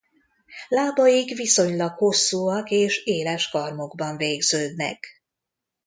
Lábaik viszonylag hosszúak és éles karmokban végződnek.